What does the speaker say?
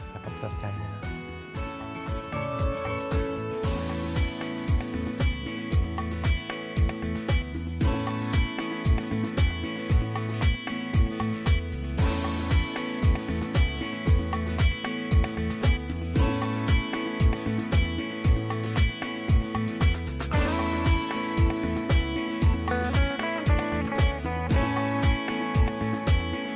ขอบคุณสนใจนะครับ